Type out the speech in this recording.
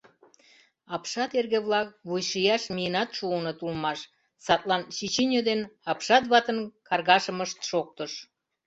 Апшат эрге-влак вуйшияш миенат шуыныт улмаш, садлан чӱчӱньӧ ден апшат ватын каргашымышт шоктыш.